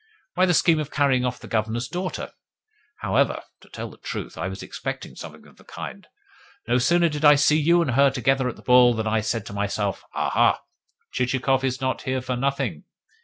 "Why, that scheme of carrying off the Governor's daughter. However, to tell the truth, I was expecting something of the kind. No sooner did I see you and her together at the ball than I said to myself: 'Ah, ha! Chichikov is not here for nothing!